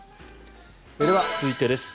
では続いてです。